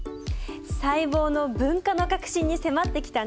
細胞の分化の核心に迫ってきたね。